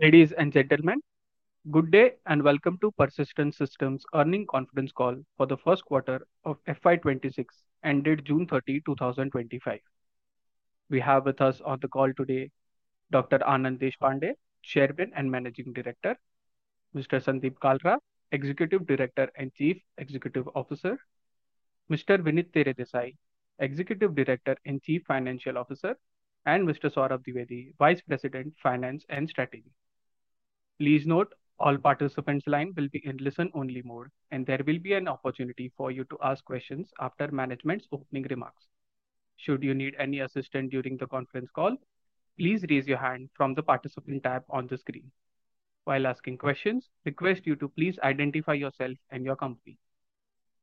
Ladies and Gentlemen, good day and welcome to Persistent Systems Earning Conference call for the first quarter of FY26 ended June 30, 2025. We have with us on the call today Dr. Anand Deshpande, Chairman and Managing Director, Mr. Sandeep Kalra, Executive Director and Chief Executive Officer, Mr. Vinit Teredesai, Executive Director and Chief Financial Officer, and Mr. Saurabh Dwivedi, Vice President Finance and Strategy. Please note all participants' lines will be in listen-only mode and there will be an opportunity for you to ask questions after management's opening remarks. Should you need any assistance during the conference call, please raise your hand from the participant tab on the screen. While asking questions, request you to please identify yourself and your company.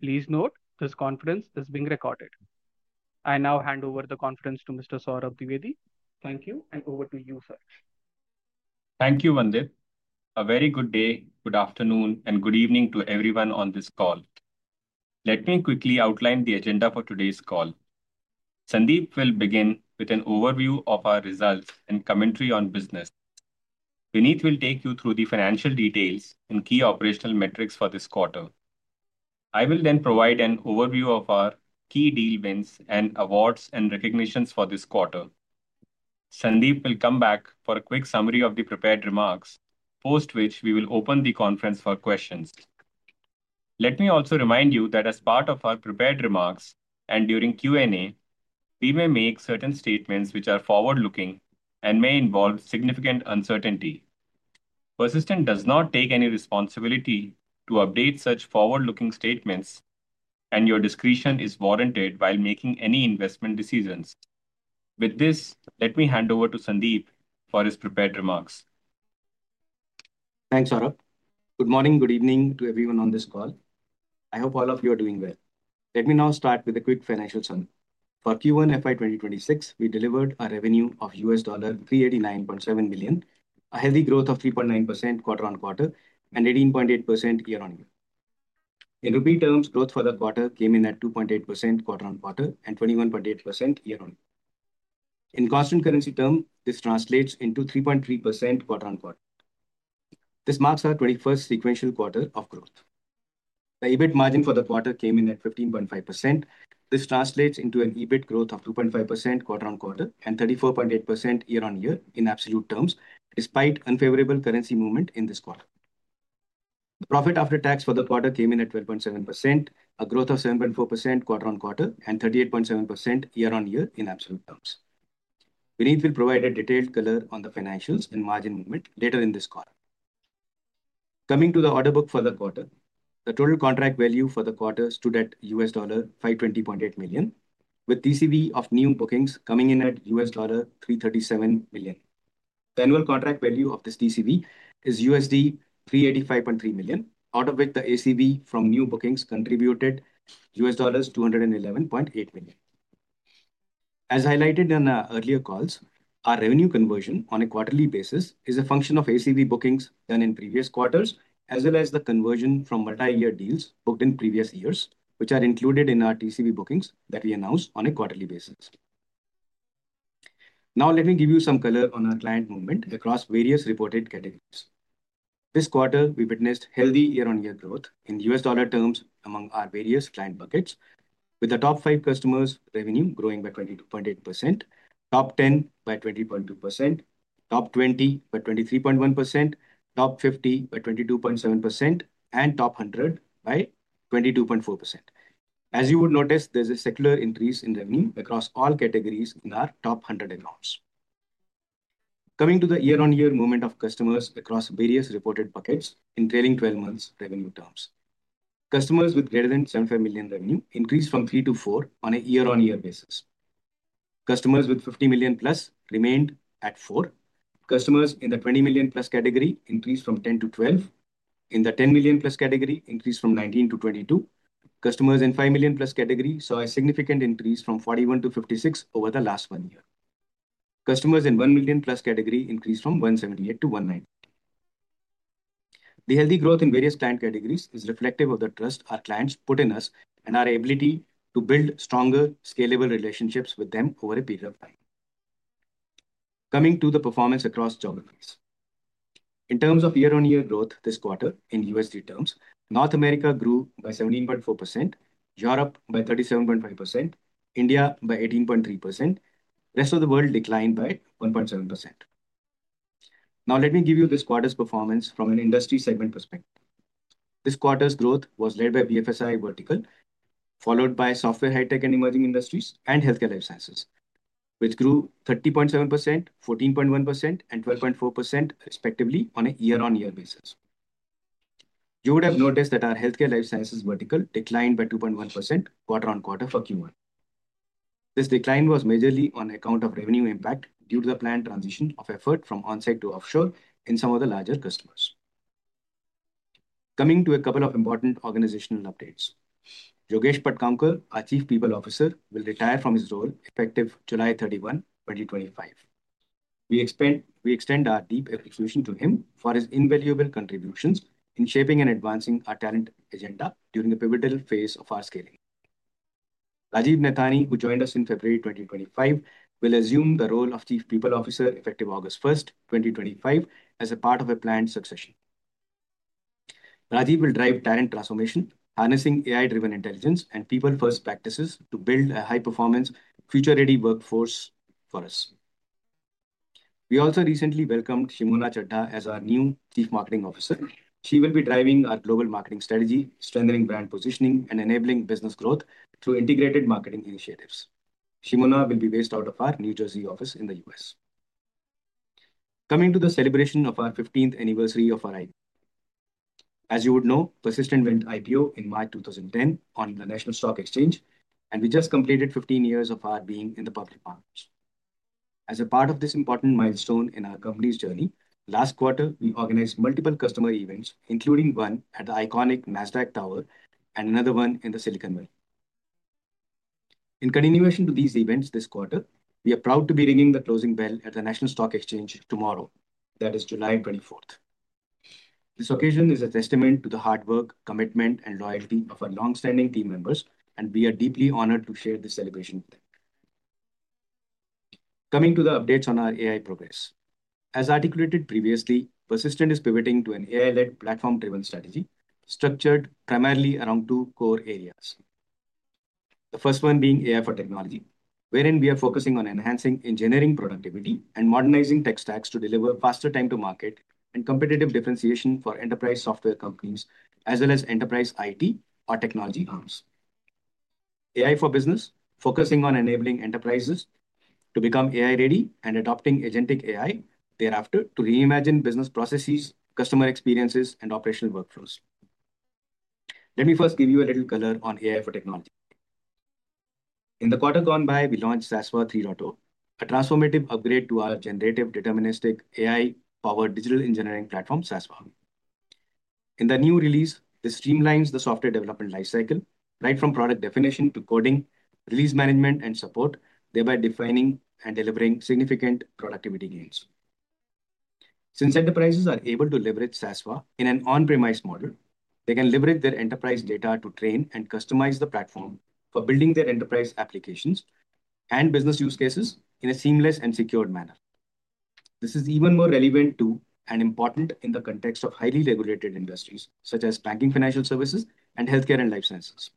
Please note this conference is being recorded. I now hand over the conference to Mr. Saurabh Dwivedi. Thank you and over to you, sir. Thank you, Vandit. A very good day, good afternoon, and good evening to everyone on this call. Let me quickly outline the agenda for today's call. Sandeep will begin with an overview of our results and commentary on business. Vinit will take you through the financial details and key operational metrics for this quarter. I will then provide an overview of our key deal wins and awards and recognitions for this quarter. Sandeep will come back for a quick summary of the prepared remarks, post which we will open the conference for questions. Let me also remind you that as part of our prepared remarks and during Q&A, we may make certain statements which are forward-looking and may involve significant uncertainty. Persistent does not take any responsibility to update such forward-looking statements and your discretion is warranted while making any investment decisions. With this, let me hand over to Sandeep for his prepared remarks. Thanks, Saurabh. Good morning, good evening to everyone on this call. I hope all of you are doing well. Let me now start with a quick financial summary for Q1 FY2026. We delivered a revenue of $389.7 million, a healthy growth of 3.9% quarter-on-quarter and 18.8% year-on-year. In rupee terms, growth for the quarter came in at 2.8% quarter-on-quarter and 21.8% year-on-year. In constant currency terms, this translates into 3.3% quarter-on-quarter. This marks our 21st sequential quarter of growth. The EBIT margin for the quarter came in at 15.5%. This translates into an EBIT growth of 2.5% quarter-on-quarter and 34.8% year-on-year in absolute terms despite unfavorable currency movement in this quarter. The profit after tax for the quarter came in at 12.7%, a growth of 7.4% quarter-on-quarter and 38.7% year-on-year in absolute terms. Vinit will provide a detailed color on the financials and margin movement later in this call. Coming to the order book for the quarter, the total contract value for the quarter stood at $520.8 million with TCV of new bookings coming in at $337 million. The annual contract value of this TCV is $385.3 million, out of which the ACV from new bookings contributed $211.8 million. As highlighted in earlier calls, our revenue conversion on a quarterly basis is a function of ACV bookings done in previous quarters as well as the conversion from multi-year deals booked in previous years which are included in our TCV bookings that we announce on a quarterly basis. Now let me give you some color on our client movement across various reported categories. This quarter we witnessed healthy year-on-year growth in U.S. dollar terms among our various client buckets with the top five customers revenue growing by 22.8%, top 10 by 20.2%, top 20 by 23.1%, top 50 by 22.7%, and top 100 by 22.4%. As you would notice, there's a secular increase in revenue across all categories in our top 100 accounts. Coming to the year-on-year movement of customers across various reported buckets in trailing 12 months revenue terms, customers with greater than $75 million revenue increased from three to four on a year-on-year basis. Customers with $50 million plus remained at four. Customers in the $20 million plus category increased from 10 to 12, in the $10 million plus category increased from 19 to 22. Customers in $5 million plus category saw a significant increase from 41 to 56 over the last one year. Customers in $1 million plus category increased from 178 to 190. The healthy growth in various client categories is reflective of the trust our clients put in us and our ability to build stronger scalable relationships with them over a period of time. Coming to the performance across geographies in terms of year-on-year growth this quarter in USD terms, North America grew by 17.4%, Europe by 37.5%, India by 18.3%, rest of the world declined by 1.7%. Now let me give you this quarter's performance from an industry segment perspective. This quarter's growth was led by BFSI vertical, followed by Software, High Tech and Emerging Industries, and Healthcare Life Sciences, which grew 30.7%, 14.1%, and 12.4% respectively on a year-on-year basis. You would have noticed that our Healthcare Life Sciences vertical declined by 2.1% quarter-on-quarter for Q1. This decline was majorly on account of revenue impact due to the planned transition of effort from onsite to offshore in some of the larger customers. Coming to a couple of important organizational updates, Yogesh Patkamkar, our Chief People Officer, will retire from his role effective July 31, 2025. We extend our deep appreciation to him for his invaluable contributions in shaping and advancing our talent agenda during a pivotal phase of our scaling. Rajiv Nathani, who joined us in February 2025, will assume the role of Chief People Officer effective August 1, 2025, as a part of a planned succession. Rajiv will drive talent transformation, harnessing AI-driven intelligence and people-first practices to build a high-performance, future-ready workforce for us. We also recently welcomed Shimona Chadha as our new Chief Marketing Officer. She will be driving our global marketing strategy, strengthening brand positioning, and enabling business growth through integrated marketing initiatives. Shimona will be based out of our New Jersey office in the U.S. Coming to the celebration of our 15th anniversary of IPO, as you would know, Persistent went IPO in March 2010 on the National Stock Exchange, and we just completed 15 years of our being in the public market. As a part of this important milestone in our company's journey last quarter, we organized multiple customer events, including one at the iconic NASDAQ Tower and another one in Silicon Valley. In continuation to these events this quarter, we are proud to be ringing the closing bell at the National Stock Exchange tomorrow, that is July 24. This occasion is a testament to the hard work, commitment, and loyalty of our long-standing team members, and we are deeply honored to share this celebration with them. Coming to the updates on our AI progress as articulated previously, Persistent is pivoting to an AI-led platform-driven strategy structured primarily around two core areas. The first one being AI for Technology, wherein we are focusing on enhancing engineering productivity and modernizing tech stacks to deliver faster time to market and competitive differentiation for enterprise software companies as well as enterprise IT or technology arms. AI for Business focuses on enabling enterprises to become AI-ready and adopting agentic AI thereafter to reimagine business processes, customer experiences, and operational workflows. Let me first give you a little color on AI for Technology. In the quarter gone by, we launched SASVA 3.0, a transformative upgrade to our generative deterministic AI-powered digital engineering platform SASVA. In the new release, this streamlines the software development life cycle right from product definition to coding, release management, and support, thereby defining and delivering significant productivity gains. Since enterprises are able to leverage SASVA in an on-premise model, they can leverage their enterprise data to train and customize the platform for building their enterprise applications and business use cases in a seamless and secured manner. This is even more relevant to and important in the context of highly regulated industries such as banking, financial services, and healthcare and life sciences.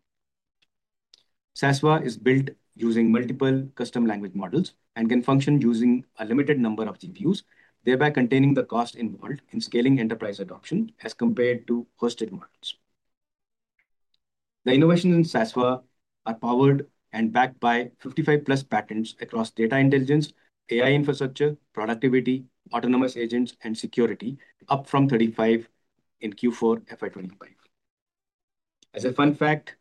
SASVA is built using multiple custom language models and can function using a limited number of GPUs, thereby containing the cost involved in scaling enterprise adoption as compared to hosted models. The innovations in SASVA are powered and backed by 55+ patents across data, intelligence, AI infrastructure, productivity, autonomous agents, and security, up from 35 in Q4FY25. As a fun fact,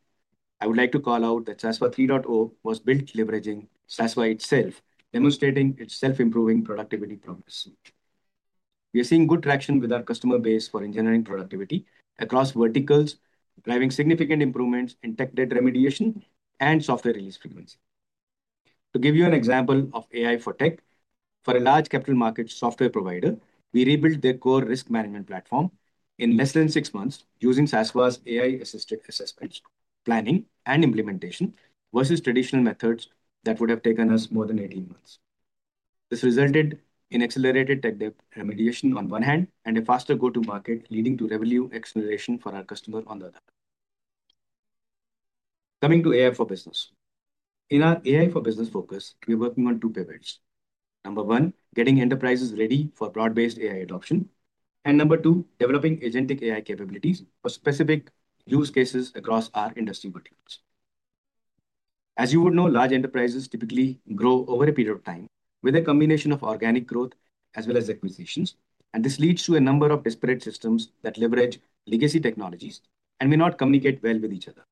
I would like to call out that SASVA 3.0 was built leveraging SASVA itself, demonstrating its self-improving productivity progress. We are seeing good traction with our customer base for engineering productivity across verticals, driving significant improvements in tech debt remediation and software release frequency. To give you an example of AI for Technology, for a large capital market software provider, we rebuilt their core risk management platform in less than six months using SASVA's AI-assisted assessments, planning, and implementation versus traditional methods that would have taken us more than 18 months. This resulted in accelerated tech debt remediation on one hand and a faster go to market leading to revenue acceleration for our customer on the other. Coming to AI for Business, in our AI for Business focus, we're working on two pivots. Number one, getting enterprises ready for broad-based AI adoption, and number two, developing agentic AI capabilities for specific use cases across our industry. As you would know, large enterprises typically grow over a period of time with a combination of organic growth as well as acquisitions, and this leads to a number of disparate systems that leverage legacy technologies and may not communicate well with each other.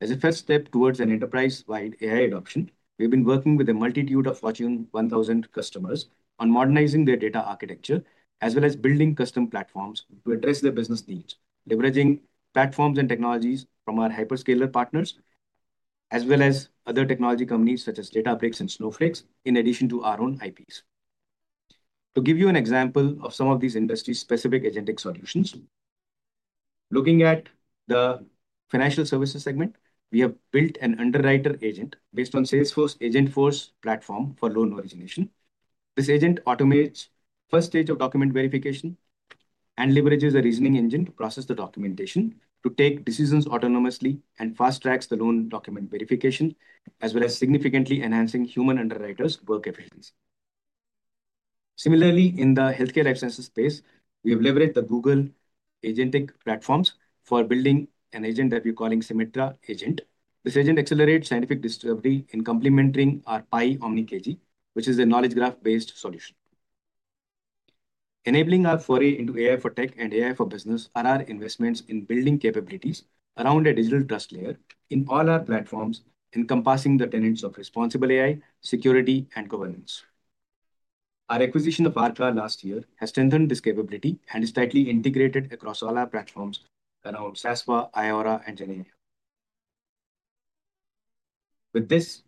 As a first step towards an enterprise-wide AI adoption, we've been working with a multitude of Fortune 1000 customers on modernizing their data architecture as well as building custom platforms to address their business needs. Leveraging platforms and technologies from our hyperscaler partners as well as other technology companies such as Databricks and Snowflake, in addition to our own IPs. To give you an example of some of these industry-specific agentic solutions, looking at the financial services segment, we have built an underwriter agent based on Salesforce Agentforce platform for loan origination. This agent automates the first stage of document verification and leverages a reasoning engine to process the documentation to take decisions autonomously and fast-tracks the loan document verification as well as significantly enhancing human underwriters' work efficiency. Similarly, in the healthcare life sciences space, we have leveraged the Google agentic platforms for building an agent that we're calling Symmetra Agent. This agent accelerates scientific discovery in complementing our PI Omni KG, which is a knowledge graph-based solution. Enabling our foray into AI for Tech and AI for Business are our investments in building capabilities around a digital trust layer in all our platforms, encompassing the tenets of responsible AI, security, and governance. Our acquisition of ARCA last year has strengthened this capability and is tightly integrated across all our platforms around SASVA, IORA, and Geneva. With this,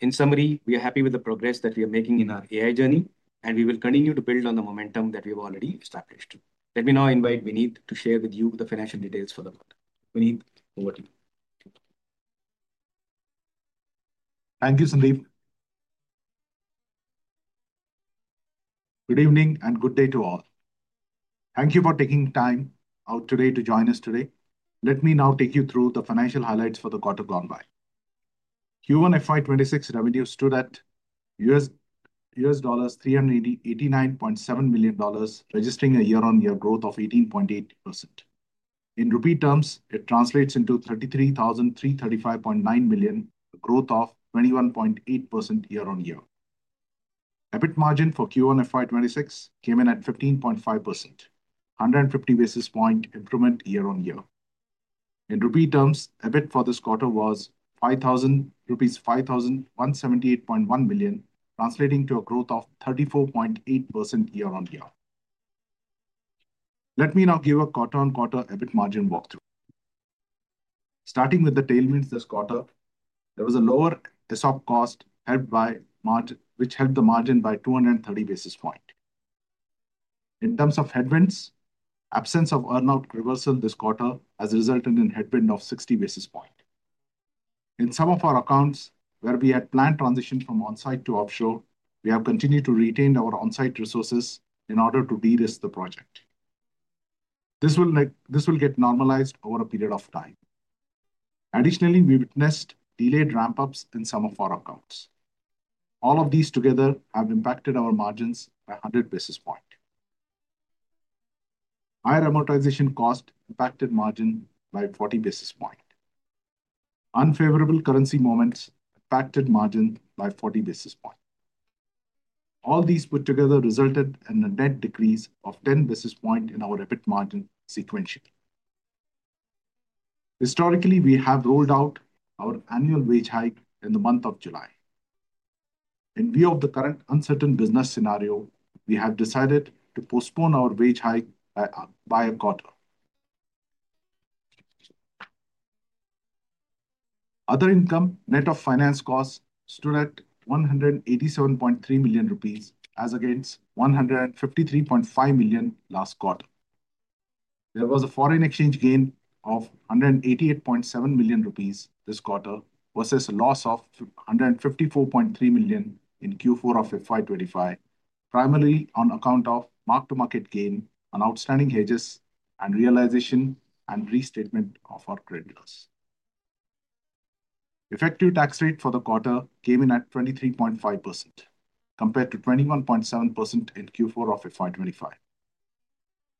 in summary, we are happy with the progress that we are making in our AI journey, and we will continue to build on the momentum that we have already established. Let me now invite Vinit to share with you the financial details for the month. Vinit, over to you. Thank you Sandeep, good evening and good day to all. Thank you for taking time out today to join us today. Let me now take you through the financial highlights for the quarter gone by. Q1 FY26 revenue stood at $389.7 million, registering a year-on-year growth of 18.8%. In rupee terms, it translates into 33,335.9 million, growth of 21.8% year-on-year. EBIT margin for Q1 FY26 came in at 15.5%, a 150 basis point improvement year-on-year in rupee terms. EBIT for this quarter was 5,178.1 million rupees, translating to a growth of 34.8% year-on-year. Let me now give a quarter-on-quarter EBIT margin walkthrough. Starting with the tailwinds, this quarter there was a lower ESOP cost which helped the margin by 230 basis points. In terms of headwinds, absence of earnout reversal this quarter has resulted in a headwind of 60 basis points. In some of our accounts where we had planned transition from on site to offshore, we have continued to retain our on site resources in order to de-risk the project. This will get normalized over a period of time. Additionally, we witnessed delayed ramp ups in some of our accounts. All of these together have impacted our margins by 100 basis points. Higher amortization cost impacted margin by 40 basis points. Unfavorable currency movements impacted margin by 40 basis points. All these put together resulted in a net decrease of 10 basis points in our EBIT margin. Sequentially, historically we have rolled out our annual wage hike in the month of July. In view of the current uncertain business scenario, we have decided to postpone our wage hike by a quarter. Other income net of finance costs stood at 187.3 million rupees as against 153.5 million last quarter. There was a foreign exchange gain of 188.7 million rupees this quarter versus a loss of 154.3 million in Q4 of FY25, primarily on account of mark to market gain on outstanding hedges and realization and restatement of our creditors. Effective tax rate for the quarter came in at 23.5% compared to 21.7% in Q4 of FY25.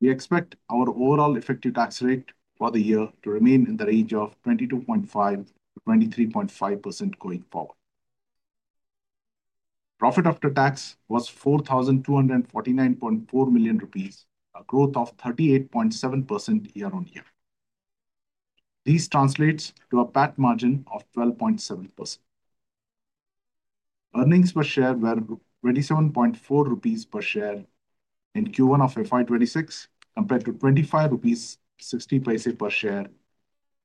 We expect our overall effective tax rate for the year to remain in the range of 22.5% to 23.5% going forward. Profit after tax was 4,249.4 million rupees, a growth of 38.7% year-on-year. These translates to a PAT margin of 12.7%. Earnings per share were 27.4 rupees per share in Q1 of FY26 compared to 25.60 rupees per share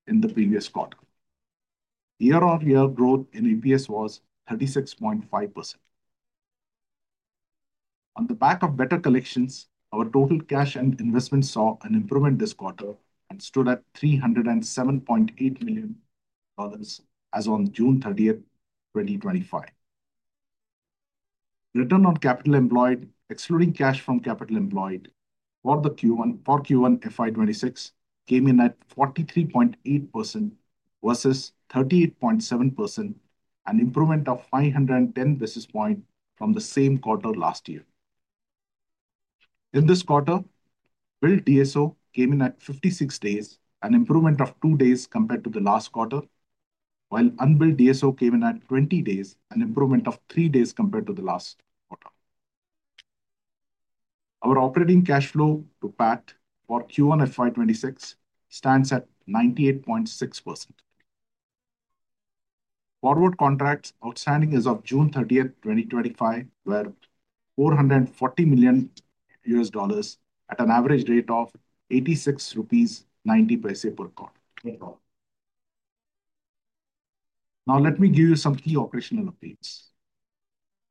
in the previous quarter. Year-on-year growth in EPS was 36.5%. On the back of better collections, our total cash and investment saw an improvement this quarter and stood at $307.8 million as on June 30, 2025. Return on capital employed excluding cash from capital employed for Q1 FY26 came in at 43.8% versus 38.7%, an improvement of 510 basis points from the same quarter last year. In this quarter, billed DSO came in at 56 days, an improvement of two days compared to the last quarter, while unbilled DSO came in at 20 days, an improvement of three days compared to the last quarter. Our operating cash flow to PAT for Q1 FY26 stands at 98.6%. Forward contracts outstanding as of June 30, 2025 were $440 million at an average rate of 86.90 rupees per dollar. Now let me give you some key operational updates.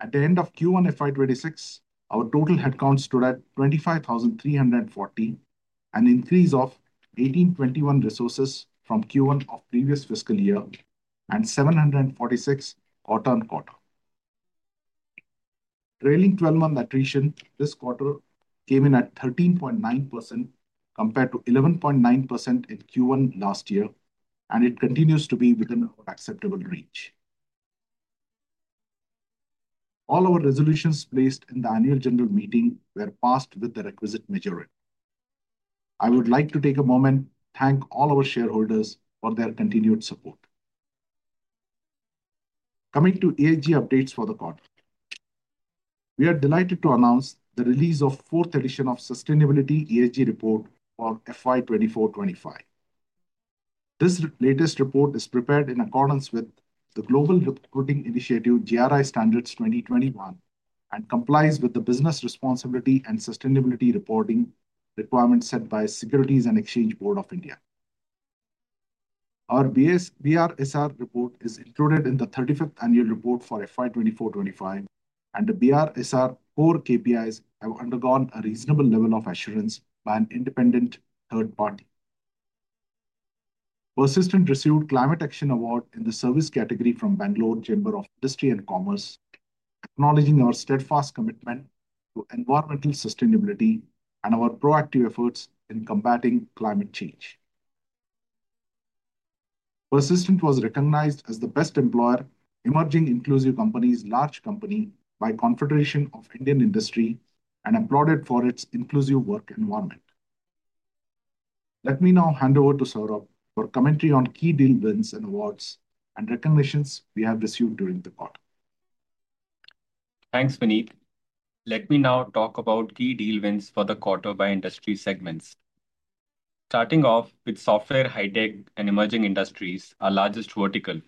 At the end of Q1 FY26, our total headcount stood at 25,340, an increase of 1,821 resources from Q1 of the previous fiscal year and 746 quarter-on-quarter. Trailing 12 month attrition this quarter came in at 13.9% compared to 11.9% in Q1 last year and it continues to be within our acceptable range. All our resolutions placed in the Annual General Meeting were passed with the requisite majority. I would like to take a moment to thank all our shareholders for their continued support. Coming to ESG updates for the quarter, we are delighted to announce the release of the 4th edition of the Sustainability ESG Report for FY24-25. This latest report is prepared in accordance with the Global Reporting Initiative GRI Standards 2021 and complies with the Business Responsibility and Sustainability Reporting requirements set by Securities and Exchange Board of India. Our BRSR Report is included in the 35th Annual Report for FY24-25 and the BRSR Core KPIs have undergone a reasonable level of assurance by an independent third party. Persistent received the Climate Action Award in the Service category from Bangalore Chamber of Industry and Commerce. Acknowledging our steadfast commitment to environmental sustainability and our proactive efforts in combating climate change, Persistent was recognized as the Best Employer Emerging Inclusive Companies Large Company by Confederation of Indian Industry and applauded for its inclusive work environment. Let me now hand over to Saurabh for commentary on key deal wins and awards and recognitions we have received during the quarter. Thanks Vinit. Let me now talk about key deal wins for the quarter by industry segments, starting off with software, high tech and emerging industries. Our largest vertical,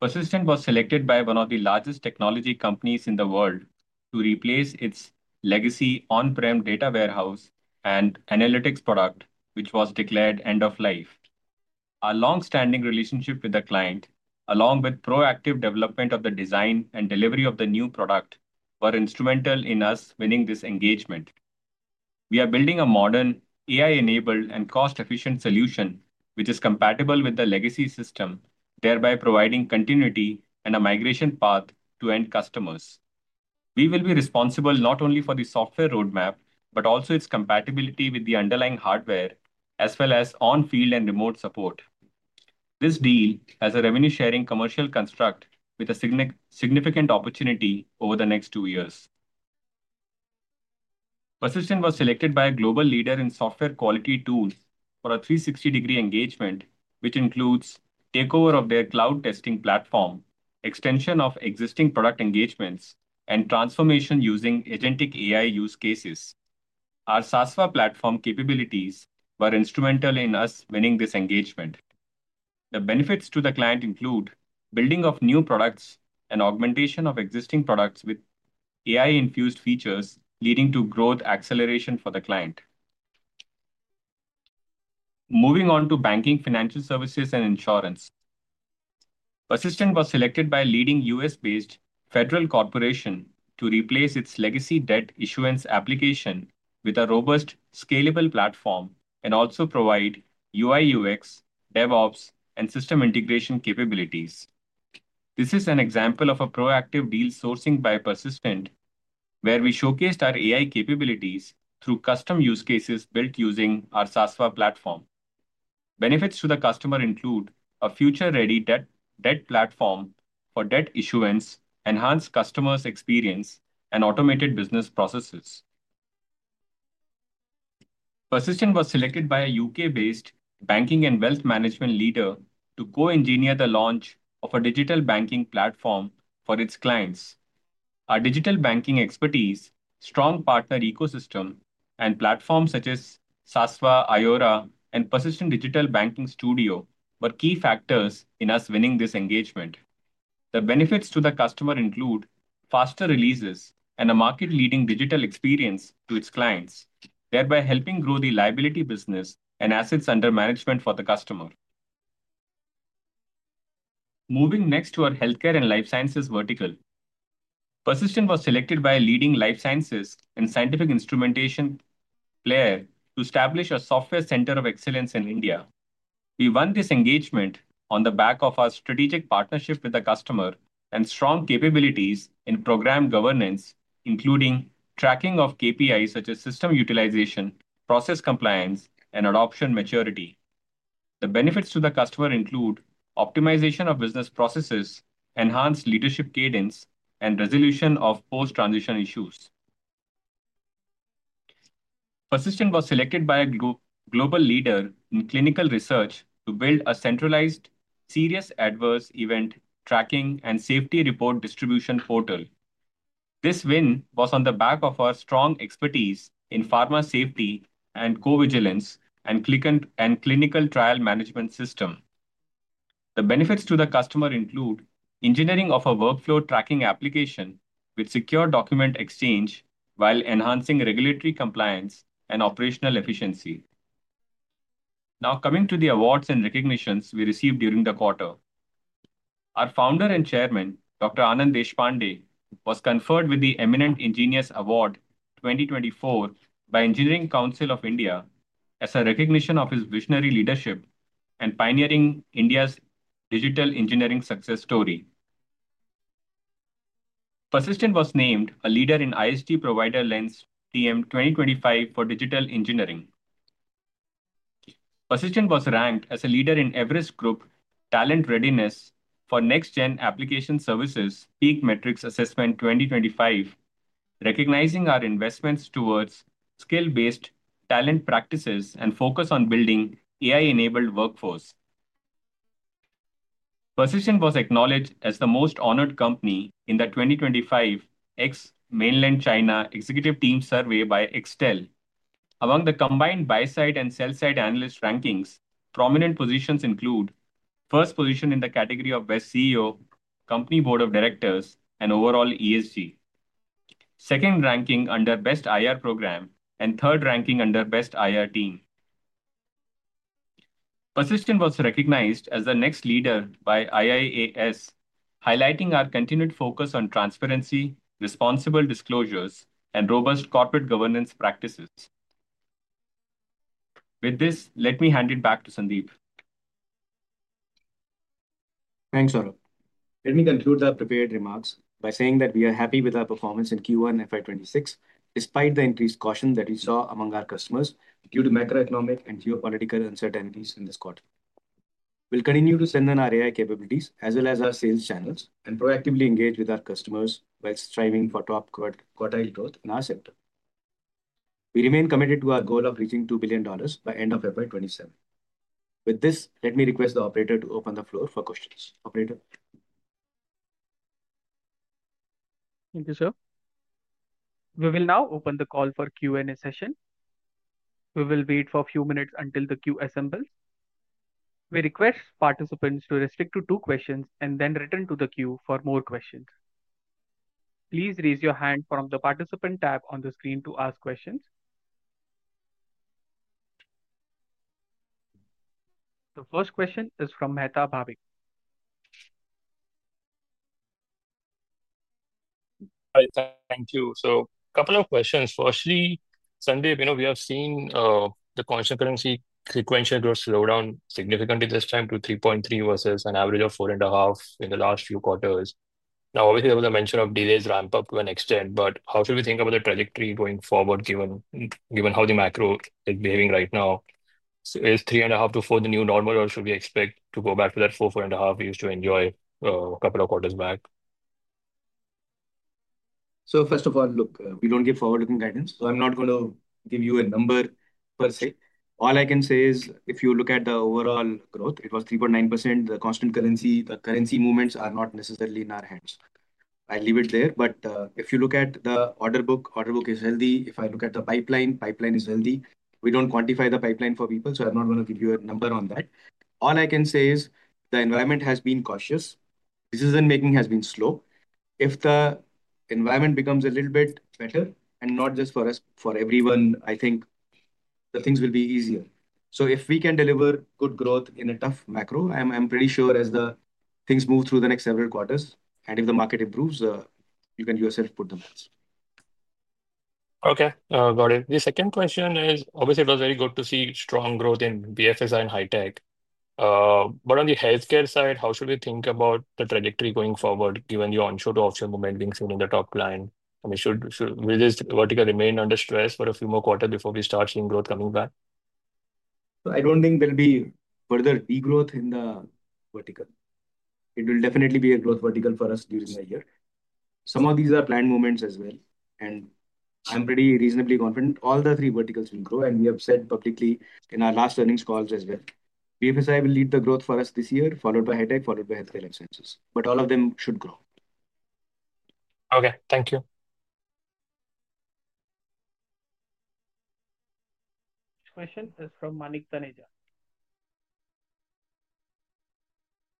Persistent was selected by one of the largest technology companies in the world to replace its legacy on-prem Data Warehouse and Analytics product which was declared end of life. Our long-standing relationship with the client, along with proactive development of the design and delivery of the new product, were instrumental in us winning this engagement. We are building a modern AI-enabled and cost-efficient solution which is compatible with the legacy system, thereby providing continuity and a migration path to end customers. We will be responsible not only for the software roadmap but also its compatibility with the underlying hardware, as well as on-field and remote support. This deal has a revenue sharing commercial construct with a significant opportunity over the next two years. Persistent was selected by a global leader in software quality tools for a 360-degree engagement which includes takeover of their cloud testing platform, extension of existing product engagements, and transformation using agentic AI use cases. Our SASVA platform capabilities were instrumental in us winning this engagement. The benefits to the client include building of new products and augmentation of existing products with AI-infused features, leading to growth acceleration for the client. Moving on to Banking, Financial Services & Insurance, Persistent was selected by leading U.S.-based banks Federal Corporation to replace its legacy debt issuance application with a robust, scalable platform and also provide UI, UX, DevOps, and system integration capabilities. This is an example of proactive deal sourcing by Persistent where we showcased our AI capabilities through custom use cases built using our SASVA platform. Benefits to the customer include a future-ready debt platform for debt issuance, enhanced customer experience, and automated business processes. Persistent was selected by a U.K.-based banking and wealth management leader to co-engineer the launch of a digital banking platform for its clients. Our digital banking expertise, strong partner ecosystem, and platforms such as SASVA, IORA, and Persistent Digital Banking Studio were key factors in us winning this engagement. The benefits to the customer include faster releases and a market-leading digital experience to its clients, thereby helping grow the liability business and assets under management for the customer. Moving next to our healthcare and life sciences vertical, Persistent was selected by a leading life sciences and scientific instrumentation player to establish a software center of excellence in India. We won this engagement on the back of our strategic partnership with the customer and strong capabilities in program governance, including tracking of KPIs such as system utilization, process compliance, and adoption maturity. The benefits to the customer include optimization of business processes, enhanced leadership cadence, and resolution of post-transition issues. Persistent was selected by a global leader in clinical research to build a centralized serious adverse event tracking and safety report distribution portal. This win was on the back of our strong expertise in pharma safety and co-vigilance and clinical trial management system. The benefits to the customer include engineering of a workflow tracking application with secure document exchange while enhancing regulatory compliance and operational efficiency. Now coming to the awards and recognitions we received during the quarter, our Founder and Chairman Dr. Anand Deshpande was conferred with the Eminent Ingenious Award 2024 by Engineering Council of India as a recognition of his visionary leadership and pioneering India's digital engineering success story. Persistent was named a leader in ISG Provider Lens TM 2025 for digital engineering. Persistent was ranked as a leader in Everest Group Talent Readiness for Next Gen Application Services PEAK Matrix Assessment 2025. Recognizing our investments towards skill-based talent practices and focus on building AI-enabled workforce, Persistent was acknowledged as the most honored company in the 2025 ex Mainland China Executive Team Survey by Institutional Investor among the combined buy side and sell side analyst rankings. Prominent positions include first position in the category of Best CEO, Company Board of Directors, and overall ESG, second ranking under Best IR Program, and third ranking under Best IR Team. Persistent was recognized as the next leader by IIAS, highlighting our continued focus on transparency, responsible disclosures, and robust corporate governance practices. With this, let me hand it back to Sandeep. Thanks, Saurabh. Let me conclude our prepared remarks by saying that we are happy with our performance in Q1 FY26 despite the increased caution that we saw among our customers due to macroeconomic and geopolitical uncertainties. In this quarter, we'll continue to strengthen our AI capabilities as well as our sales channels and proactively engage with our customers while striving for top quartile growth in our sector. We remain committed to our goal of reaching $2 billion by end of February 27. With this, let me request the Operator to open the floor for questions. Operator, Thank you sir. We will now open the call for Q&A session. We will wait for a few minutes until the queue assembles. We request participants to restrict to two questions and then return to the queue for more questions. Please raise your hand from the participant tab on the screen to ask questions. The first question is from Bhavik Mehta. Thank you. So, couple of questions. Firstly, Sandeep, you know we have seen the constant currency sequential growth slow down significantly this time to 3.3% versus an average of 4.5% in the last few quarters. Now obviously there was a mention of delays ramp up to an extent, but how should we think about the trajectory going forward given how the macro is behaving right now? Is 3.5% to 4% the new normal or should we expect to go back to that 4% to 4.5% we used to enjoy a couple of quarters back? First of all, look, we don't give forward looking guidance so I'm not going to give you a number per se. All I can say is if you look at the overall growth, it was 3.9%. The constant currency, the currency movements are not necessarily in our hands. I leave it there. If you look at the order book, order book is healthy. If I look at the pipeline, pipeline is healthy. We don't quantify the pipeline for people, so I'm not going to give you a number on that. All I can say is the environment has been cautious, decision making has been slow. If the environment becomes a little bit better and not just for us, for everyone, I think things will be easier. If we can deliver good growth in a tough macro, I'm pretty sure as things move through the next several quarters and if the market improves, you can yourself put the maths. Okay, got it. The second question is, obviously it was very good to see strong growth in BFSI and high tech. On the healthcare side, how should we think about the trajectory going forward given the onshore to offshore movement being seen in the top line? I mean, should this vertical remain under stress for a few more quarters before we start seeing growth coming back? I don't think there'll be further degrowth in the vertical. It will definitely be a growth vertical for us during the year. Some of these are planned moments as well. I'm pretty reasonably confident all the three verticals will grow. We have said publicly in our last earnings calls as well, BFSI will lead the growth for us this year, followed by high tech, followed by healthcare, life sciences. All of them should grow. Okay, thank you. Question is from Manik.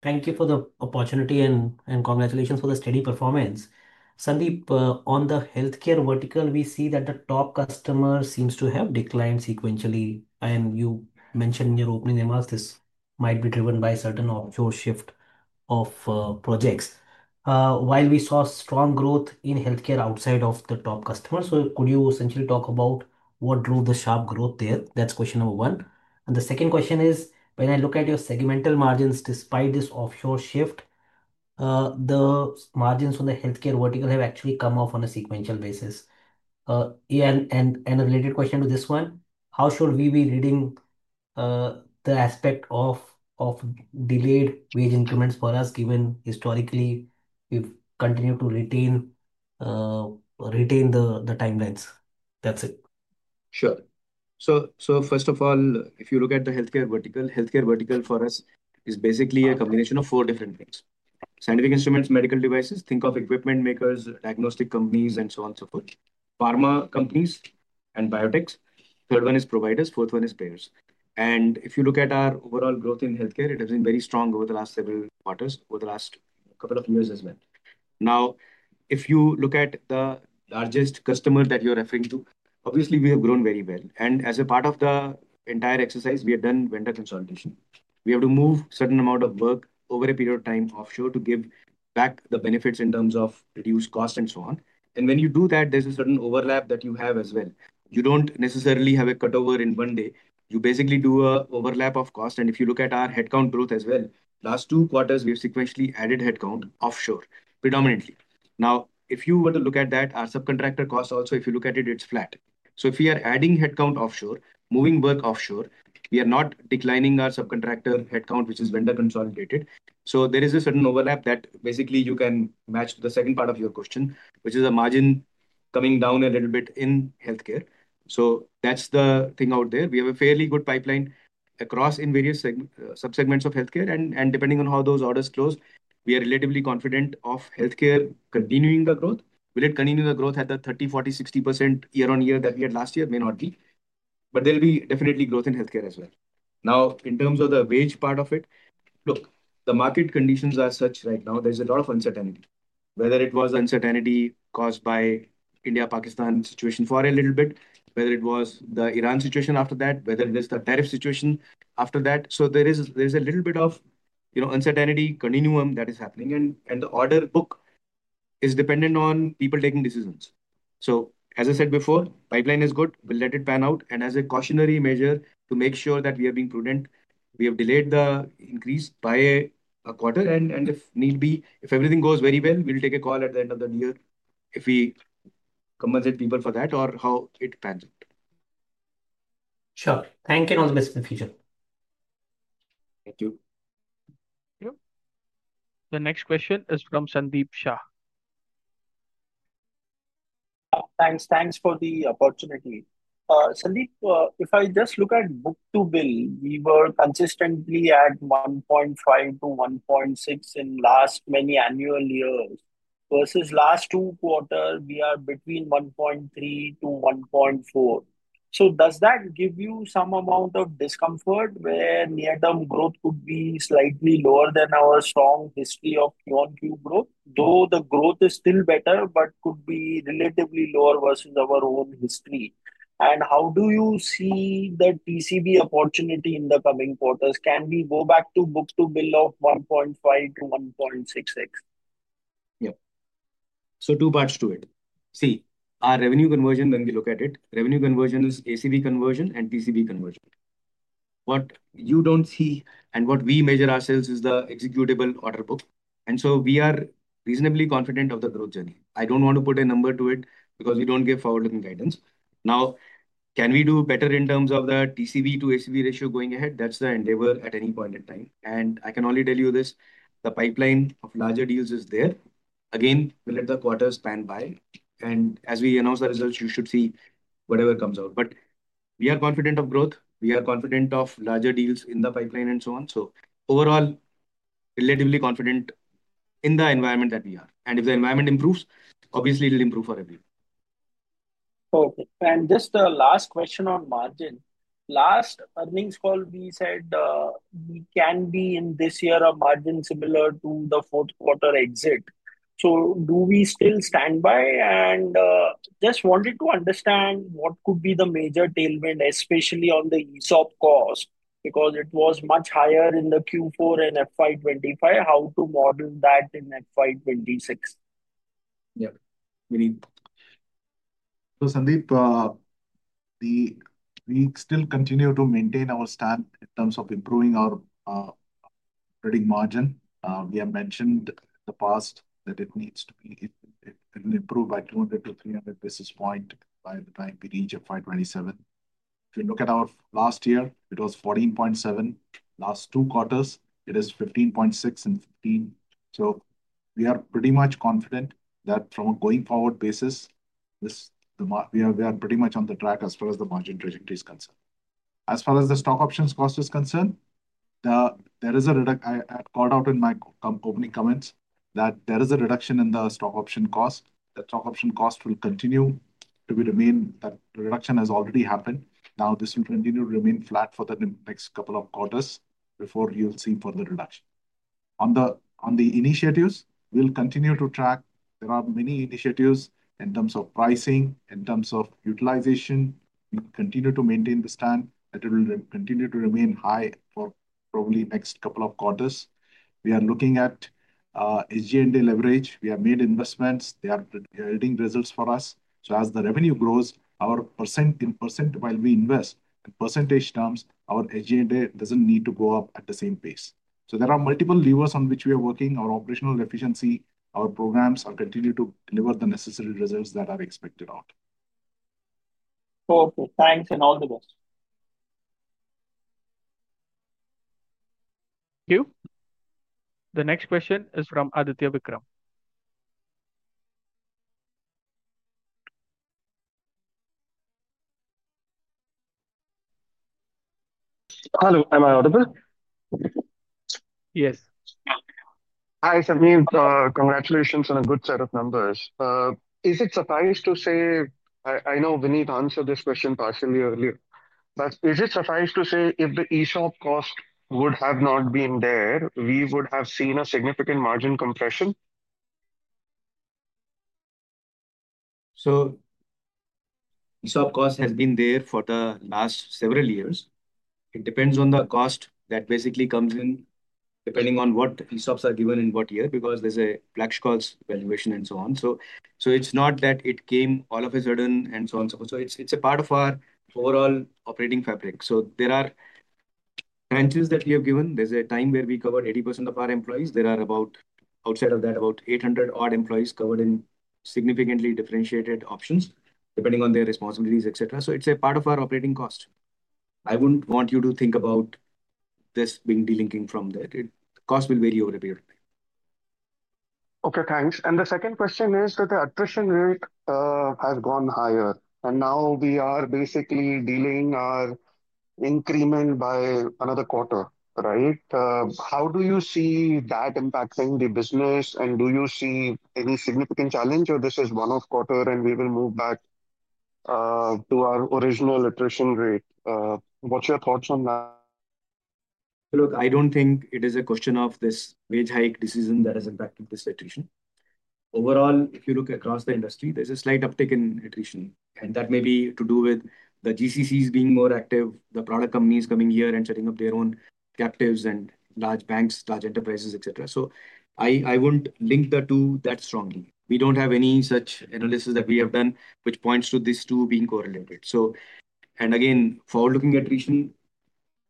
Thank you for the opportunity and congratulations for the steady performance, Sandeep. On the healthcare vertical, we see that the top customer seems to have declined sequentially. You mentioned in your opening remarks this might be driven by certain offshore shift of projects while we saw strong growth in healthcare outside of the top customers. Could you essentially talk about what drove the sharp growth there? That's question number one. The second question is, when I look at your segmental margins, despite this offshore shift, the margins on the healthcare vertical have actually come off on a sequential basis. A related question to this one, how should we be reading the aspect of delayed wage increments for us, given historically we've continued to retain the timelines? That's it. Sure. First of all, if you look at the healthcare vertical, healthcare vertical for us is basically a combination of four different things: scientific instruments, medical devices, think of equipment makers, diagnostic companies and so on, so forth, pharma companies and biotechs. Third one is providers. Fourth one is payers. If you look at our overall growth in healthcare, it has been very strong over the last several quarters over the last couple of years as well. Now, if you look at the largest customer that you're referring to, obviously we have grown very well. As a part of the entire exercise we have done vendor consolidation, we have to move certain amount of work over a period of time offshore to give back the benefits in terms of reduced cost and so on. When you do that, there's a certain overlap that you have as well. You don't necessarily have a cutover in one day. You basically do an overlap of cost. If you look at our headcount growth as well, last two quarters, we've sequentially added headcount offshore predominantly. If you were to look at that, our subcontractor cost also if you look at it, it's flat. If we are adding headcount offshore, moving work offshore, we are not declining our subcontractor headcount, which is vendor consolidated. There is a certain overlap that basically you can match to the second part of your question, which is margin coming down a little bit in healthcare. That's the thing out there. We have a fairly good pipeline across various sub segments of healthcare, and depending on how those orders close, we are relatively confident of healthcare continuing the growth. Will it continue the growth at the 30%, 40%, 60% year-on-year that we had last year? May not be, but there will definitely be growth in healthcare as well. In terms of the wage part of it, the market conditions are such right now there's a lot of uncertainty, whether it was uncertainty caused by India, Pakistan situation for a little bit, whether it was the Iran situation after that, or whether it is the tariff situation after that. There is a little bit of uncertainty continuum that is happening, and the order book is dependent on people taking decisions. As I said before, pipeline is good. We'll let it pan out. As a cautionary measure to make sure that we are being prudent, we have delayed the increase by a quarter, and if need be, if everything goes very well, we'll take a call at the end of the year if we compensate people for that or how it pans out. Thank you. All the best in the future. Thank you. The next question is from Sandeep Shah. Thanks. Thanks for the opportunity, Sandeep. If I just look at book to bill, we were consistently at 1.5 to 1.6 in last many annual years versus last two quarters we are between 1.3 to 1.4. Does that give you some amount of discomfort where near term growth could be slightly lower than our strong year-on-year growth, though the growth is still better but could be relatively lower versus our own history? How do you see the TCV opportunity in the coming quarters? Can we go back to book to bill of 1.5 to 1.6x? Yeah. Two parts to it. See, our revenue conversion when we look at it, revenue conversion is ACV conversion and TCV conversion. What you don't see and what we measure ourselves is the executable order book, and we are reasonably confident of the growth journey. I don't want to put a number to it because we don't give forward looking guidance. Can we do better in terms of the TCV to ACV ratio going ahead? That's the endeavor at any point in time and I can only tell you this, the pipeline of larger deals is there. Again, we'll let the quarters pan by and as we announce the results you should see whatever comes out, but we are confident of growth. We are confident of larger deals in the pipeline and so on. Overall, relatively confident in the environment that we are in, and if the environment improves, obviously it will improve for everyone. Okay, and this is the last question on margin. Last earnings call we said we can be in this year a margin similar to the fourth quarter exit. Do we still stand by, and just wanted to understand what could be the major tailwind, especially on the ESOP cost, because it was much higher in Q4 and FY25. How to model that in FY26? Yeah, we still continue to maintain our stand in terms of improving our operating margin. We have mentioned in the past that it will improve by 200 to 300 basis points by the time we reach FY27. If you look at our last year, it was 14.7. Last two quarters it is 15.6 and 15, so we are pretty much confident that from a going forward basis, we are pretty much on the track as far as the margin trajectory is concerned. As far as the stock options cost is concerned, there is a reduction. I called out in my opening comments that there is a reduction in the stock option cost. That stock option cost will continue to remain, that reduction has already happened. Now, this will continue to remain flat for the next couple of quarters before you'll see further reduction. On the initiatives, we'll continue to track. There are many initiatives in terms of pricing, in terms of utilization. Continue to maintain the stand that will continue to remain high for probably next couple of quarters. We are looking at SGND leverage. We have made investments, they are building results for us. As the revenue grows, while we invest in percentage terms, our agenda doesn't need to go up at the same pace. There are multiple levers on which we are working. Our operational efficiency, our programs are continuing to deliver the necessary results that are expected out. Okay, thanks and all the best. The next question is from Aditya Vikram. Hello, am I audible? Yes. Hi Samir. Congratulations on a good set of numbers. Is it suffice to say, I know Vinit answered this question partially earlier, but is it suffice to say if the ESOP cost would have not been there, we would have seen a significant margin compression? ESOP cost has been there for the last several years. It depends on the cost that basically comes in depending on what ESOPs are given in what year because there's a Black-Scholes valuation and so on. It's not that it came all of a sudden. It's a part of our overall operating fabric. There are branches that we have given. There's a time where we covered 80% of our employees. There are about, outside of that, about 800 odd employees covered in significantly differentiated options depending on their responsibilities, etc. It's a part of our operating cost. I wouldn't want you to think about this being delinking from that. Cost will vary over a period of time. Okay, thanks. The second question is that the attrition rate has gone higher and now we are basically delaying our increment by another quarter, right? How do you see that impacting the business and do you see any significant challenge, or is this one quarter and we will move back to our original attrition rate? What's your thoughts on that? Look, I don't think it is a question of this wage hike decision that has impacted this attrition overall. If you look across the industry, there's a slight uptick in attrition and that may be to do with the GCCs being more active, the product companies coming here and setting up their own captives, and large banks, large enterprises, etc. I won't link the two that strongly. We don't have any such analysis that we have done which points to these two being correlated. Again, forward-looking attrition,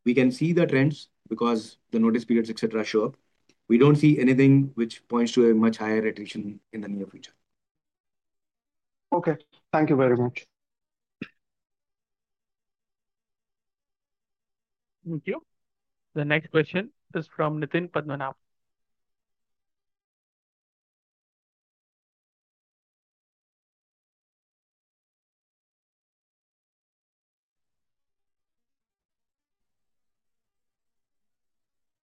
we can see the trends because the notice periods, etc. show up. We don't see anything which points to a much higher attrition in the near future. Okay, thank you very much. Thank you. The next question is from Nitin Padmanabhan.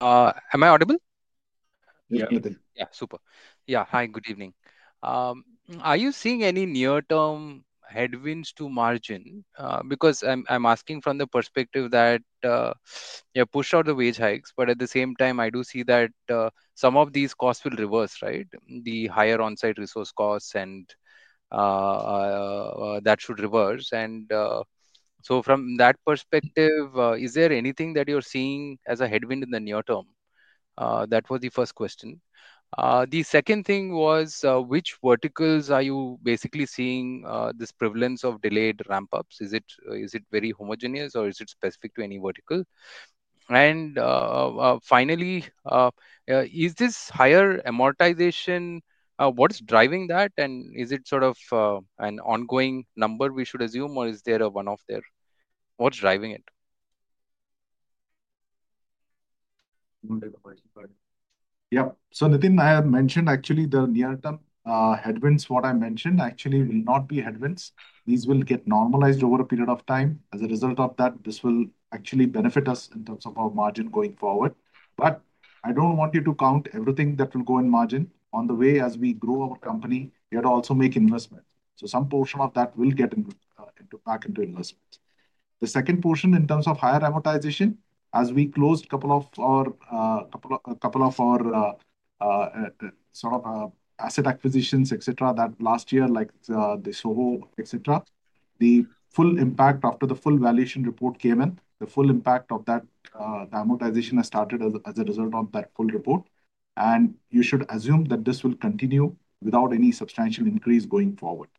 Am I audible? Yeah, super. Yeah. Hi, good evening. Are you seeing any near-term headwinds to margin? Because I'm asking from the perspective that you push out the wage hikes, but at the same time, I do see that some of these costs will reverse, right? The higher on-site resource costs, and that should reverse. From that perspective, is there anything that you're seeing as a headwind in the near term? That was the first question. The second thing was which verticals are you basically seeing this prevalence of delayed ramp ups. Is it, is it very homogeneous or is it specific to any vertical? And finally, is this higher amortization what's driving that and is it sort of an ongoing number we should assume or is there a one off there what's driving it? Yeah. So Nitin, I have mentioned actually the near term headwinds. What I mentioned actually will not be headwinds. These will get normalized over a period of time. As a result of that, this will actually benefit us in terms of our margin going forward. I don't want you to count everything that will go in margin on the way as we grow our company yet also make investment. Some portion of that will get back into investments. The second portion in terms of higher amortization, as we closed a couple of our sort of asset acquisitions, etc., that last year like the SOHO, etc., the full impact after the full valuation report came in, the full impact of that amortization has started as a result of that full report and you should assume that this will continue without any substantial increase going forward.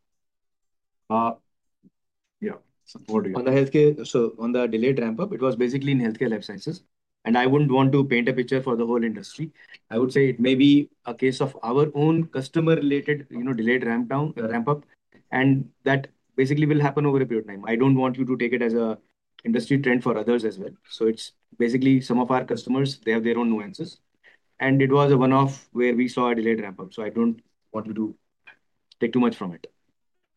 On the healthcare, so on the delayed ramp up, it was basically in healthcare, life sciences and I wouldn't want to paint a picture for the whole industry. I would say it may be a case of our own customer related, you know, delayed ramp down, ramp up and that basically will happen over a period of time. I don't want you to take it as an industry trend for others as well. It's basically some of our customers, they have their own nuances and it was a one off where we saw a delayed ramp up. I don't want you to take too much from it.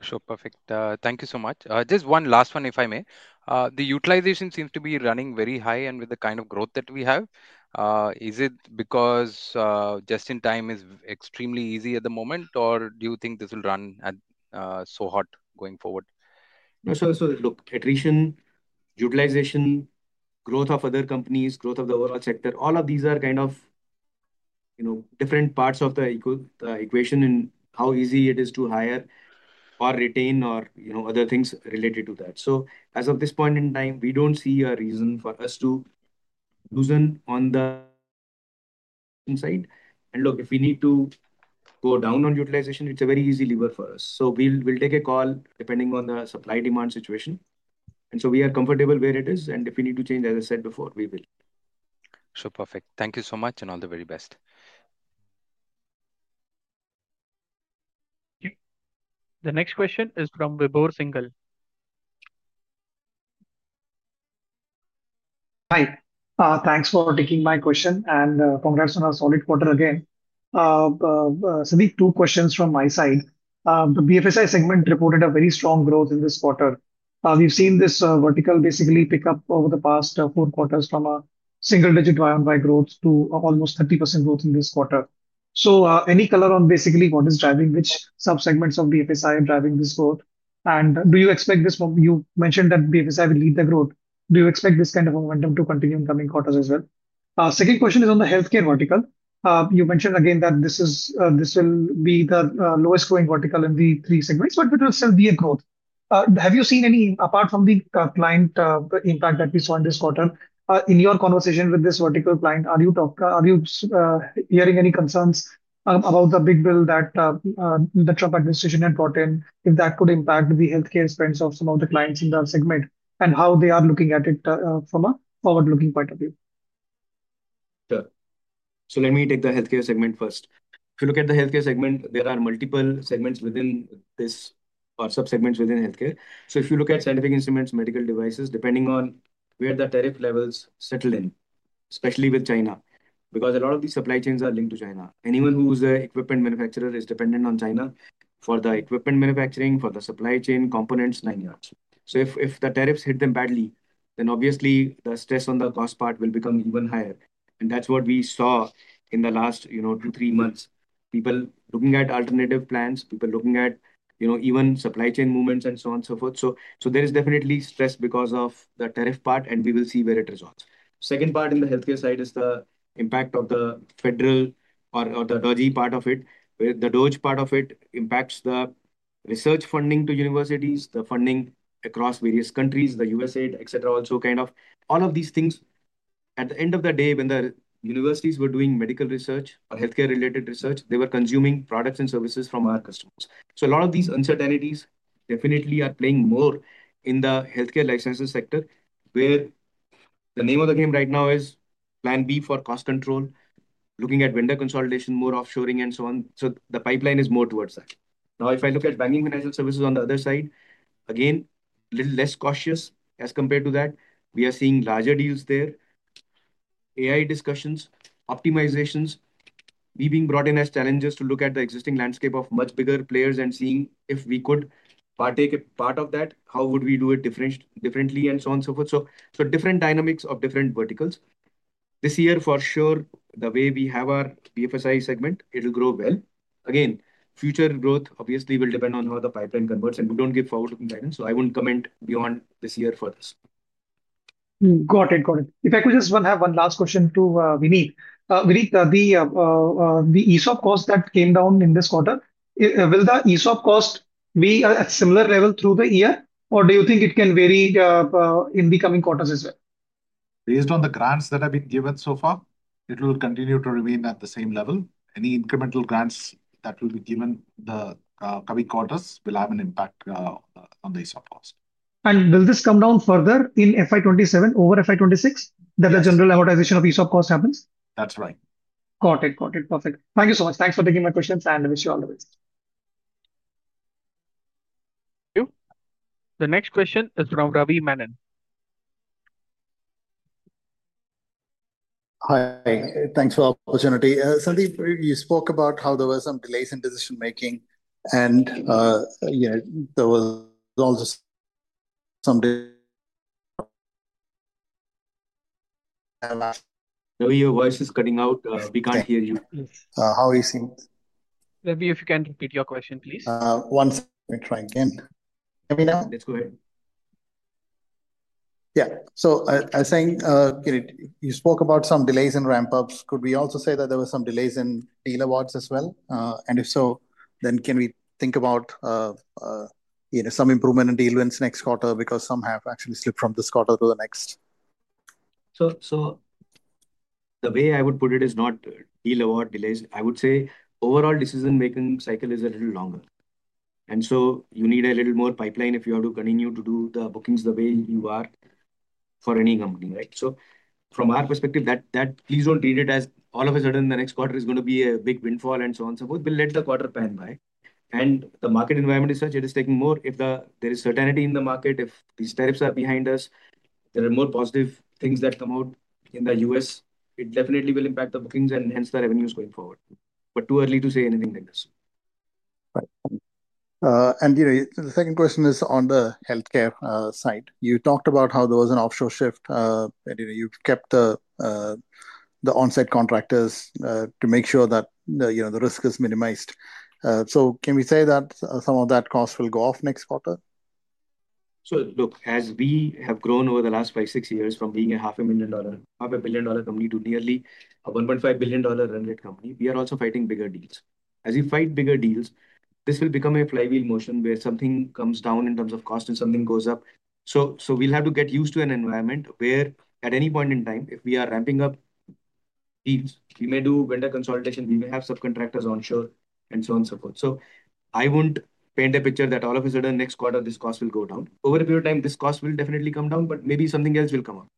Sure, perfect. Thank you so much. Just one last one if I may. The utilization seems to be running very high and with the kind of growth that we have, is it because just in time is extremely easy at the moment or do you think this will run so hot going forward? Look, attrition, utilization, growth of other companies, growth of the overall sector, all of these are kind of, you know, different parts of the equal equation and how easy it is to hire or retain or, you know, other things related to that. As of this point in time we don't see a reason for us to loosen on the inside. If we need to go down on utilization, it's a very easy lever for us. We will take a call depending on the supply-demand situation and we are comfortable where it is. If we need to change, as I said before, we will. Perfect. Thank you so much and all the very best. The next question is from Vibhor Singhal. Hi, thanks for taking my question and congrats on a solid quarter again. Two questions from my side. The BFSI segment reported very strong growth in this quarter. We've seen this vertical basically pick up over the past four quarters from a single-digit Y-o-Y growth to almost 30% growth in this quarter. Any color on what is driving, which sub-segments of BFSI are driving this growth, and do you expect this, you mentioned that BFSI will lead the growth. Do you expect this kind of momentum to continue in coming quarters as well? Second question is on the healthcare vertical. You mentioned again that this will be the lowest growing vertical in the three segments but it will still be a growth. Have you seen any, apart from the client impact that we saw in this quarter? In your conversation with this vertical client, are you hearing any concerns about the big bill that the Trump administration had brought in, if that could impact the healthcare spends of some of the clients in the segment and how they are looking at it from a forward-looking point of view? Let me take the healthcare segment first. If you look at the healthcare segment, there are multiple segments within this or sub-segments within healthcare. If you look at scientific instruments, medical devices, depending on where the tariff levels settle in, especially with China because a lot of these supply chains are linked to China. Anyone who's an equipment manufacturer is dependent on China for the equipment manufacturing, for the supply chain components, nine yards. If the tariffs hit them badly, then obviously the stress on the cost part will become even higher. That's what we saw in the last two, three months, people looking at alternative plans, people looking at even supply chain movements and so on and so forth. There is definitely stress because of the tariff part and we will see where it results. Second part in the healthcare side is the impact of the federal or the DOJ part of it, the DOJ part of it impacts the research funding to universities, the funding across various countries, the U.S. etc., also kind of all of these things. At the end of the day, when the universities were doing medical research or healthcare-related research, they were consuming products and services from our customers. A lot of these uncertainties definitely are playing more in the healthcare licenses sector, where the name of the game right now is plan B for cost control, looking at vendor consolidation, more offshoring, and so on. The pipeline is more towards that. Now, if I look at banking, financial services on the other side, again, a little less cautious as compared to that. We are seeing larger deals, there are AI discussions, optimizations, we are being brought in as challengers to look at the existing landscape of much bigger players and seeing if we could partake a part of that, how would we do it differently, and so on and so forth. Different dynamics of different verticals this year for sure. The way we have our BFSI segment, it will grow well again. Future growth obviously will depend on how the pipeline converts, and we don't give forward-looking guidance. I wouldn't comment beyond this year for this. Got it, got it. If I could just have one last question to Vinit. The ESOP cost that came down in this quarter, will the ESOP cost be at a similar level through the year, or do you think it can vary in the coming quarters as well? Based on the grants that have been given so far, it will continue to remain at the same level. Any incremental grants that will be given in the coming quarters will have an impact on the ESOP cost. Will this come down further in FY27 over FY26 as the general amortization of ESOP cost happens? That's right. Got it, got it. Perfect. Thank you so much. Thanks for taking my questions and I wish you all the best. The next question is from Ravi Manon. Hi, thanks for the opportunity. Sandeep, you spoke about how there were some delays in decision making and you know there was also some— now your voice is cutting out, we can't hear you. If you can repeat your question please once, let me try again. Let's go ahead. Yeah, I think you spoke about some delays in ramp ups. Could we also say that there were some delays in deal awards as well? If so, then can we think about some improvement in dealings next quarter because some have actually slipped from this quarter to the next? The way I would put it is not deal award delays. I would say overall decision-making cycle is a little longer, and you need a little more pipeline. If you have to continue to do the bookings the way you are for any company. Right. From our perspective, please don't read it as all of a sudden the next quarter is going to be a big windfall and so on, so forth. We'll let the quarter pan by, and the market environment is such it is taking more. If there is certainty in the market, if these tariffs are behind us, there are more positive things that come out in the U.S., it definitely will impact the bookings and hence the revenues going forward. Too early to say anything like this. The second question is on the healthcare side. You talked about how there was an offshore shift, you've kept the on-site contractors to make sure that the risk is minimized. Can we say that some of that cost will go off next quarter? Look, as we have grown over the last five, six years from being a half a billion dollar company to nearly a $1.5 billion run rate company, we are also fighting bigger deals. As you fight bigger deals, this will become a flywheel motion where something comes down in terms of cost and something goes up. We'll have to get used to an environment where at any point in time if we are ramping up deals, we may do vendor consolidation, we may have subcontractors onshore and so on, so forth. I won't paint a picture that all of a sudden next quarter this cost will go down. Over a period of time this cost will definitely come down, but maybe something else will come up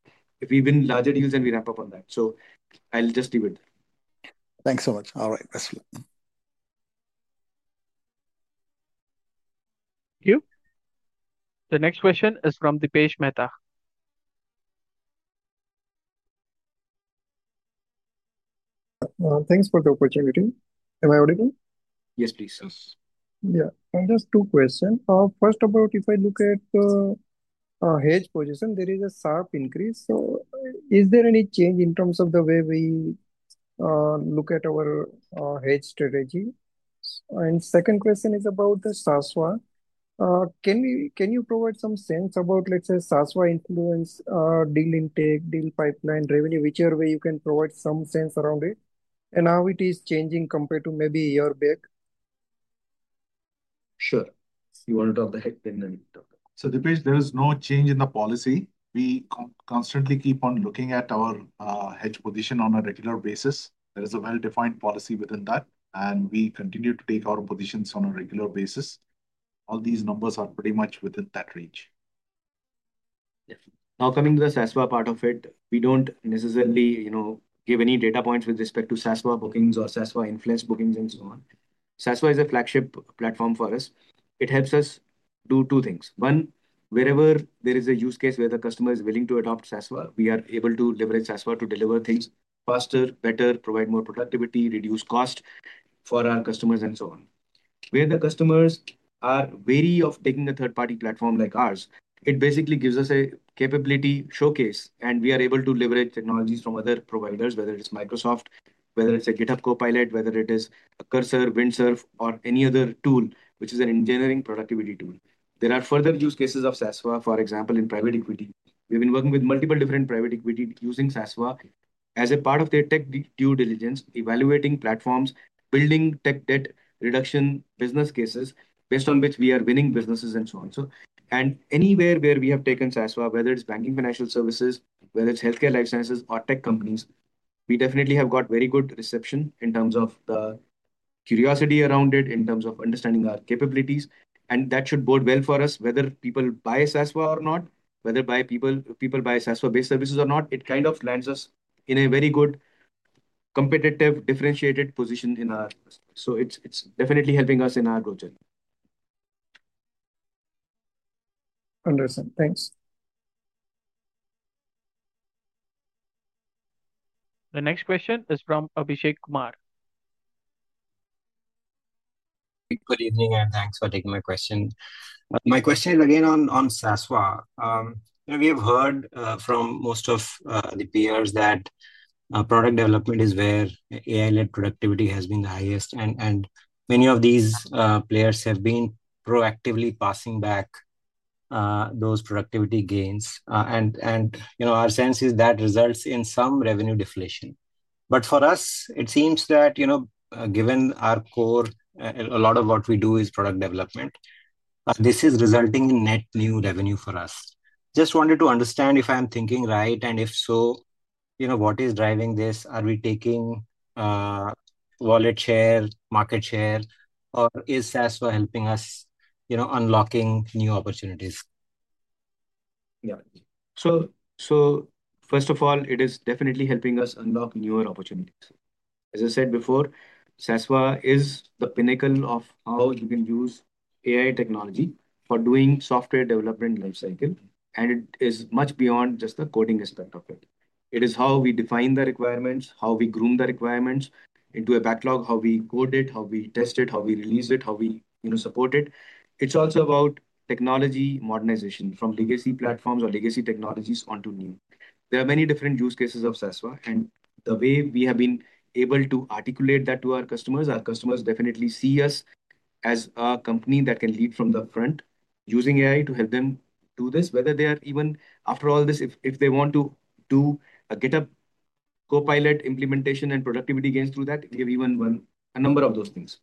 if we win larger deals and we wrap up on that. I'll just leave it. Thanks so much. All right, thank you. The next question is from Dipesh Mehta. Thanks for the opportunity. Am I audible? Yes please sir. Yeah. Just two questions. First, if I look at the hedge position, there is a sharp increase. Is there any change in terms of the way we look at our hedge strategy? Second question is about the SASVA. Can you provide some sense about, let's say, SASVA influence, deal intake, deal pipeline, revenue, whichever way you can provide some sense around it, and how it is changing compared to maybe a year back? Sure, you want to talk the hedge. Dipesh, there is no change in the policy. We constantly keep on looking at our hedge position on a regular basis. There is a well-defined policy within that, and we continue to take our positions on a regular basis. All these numbers are pretty much within that range. Now coming to the SASVA part of it, we don't necessarily, you know, give any data points with respect to SASVA bookings or SASVA influenced bookings and so on. SASVA is a flagship platform for us. It helps us do two things. One, wherever there is a use case where the customer is willing to adopt SASVA, we are able to leverage SASVA to deliver things faster, better, provide more productivity, reduce cost for our customers and so on. Where the customers are wary of taking a third-party platform like ours, it basically gives us a capability showcase and we are able to leverage technologies from other providers, whether it's Microsoft, whether it's GitHub Copilot, whether it is Cursor, WindSurf, or any other tool which is an engineering productivity tool. There are further use cases of SASVA, for example in private equity. We've been working with multiple different private equity using SASVA as a part of their tech due diligence, evaluating platforms and building tech debt reduction business cases based on which we are winning businesses and so on. Anywhere where we have taken SASVA, whether it's banking, financial services, whether it's healthcare, life sciences, or tech companies, we definitely have got very good reception in terms of the curiosity around it, in terms of understanding our capabilities, and that should bode well for us whether people buy SASVA or not. Whether people buy SASVA-based services or not, it kind of lands us in a very good competitive, differentiated position. It's definitely helping us in our project. Thanks. The next question is from Abhishek Kumar. Good evening and thanks for taking my question. My question is again on SASVA. We have heard from most of the peers that product development is where AI-led productivity has been the highest and many of these players have been proactively passing back those productivity gains. Our sense is that results in some revenue deflation. For us, it seems that given our core, a lot of what we do is product development. This is resulting in net new revenue for us. Just wanted to understand if I am thinking right and if so, you know, what is driving this? Are we taking wallet share, market share, or is SASVA helping us, you know, unlocking new opportunities? Yeah, so first of all, it is definitely helping us unlock newer opportunities. As I said before, SASVA is the pinnacle of how you can use AI technology for doing software development life cycle. It is much beyond just the coding aspect of it. It is how we define the requirements, how we groom the requirements into a backlog, how we code it, how we test it, how we release it, how we support it. It's also about technology modernization from legacy platforms or legacy technologies onto new. There are many different use cases of SASVA and the way we have been able to articulate that to our customers, our customers definitely see us as a company that can lead from the front using AI to help them do this, whether they are, even after all this, if they want to do a GitHub Copilot implementation and productivity gains through that, we have even won a number of those things.